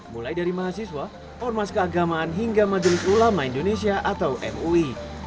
mulai dari mahasiswa ormas keagamaan hingga majelis ulama indonesia atau mui